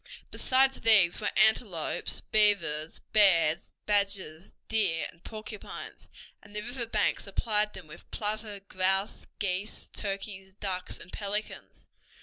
Besides these were antelopes, beavers, bears, badgers, deer, and porcupines, and the river banks supplied them with plover, grouse, geese, turkeys, ducks, and pelicans.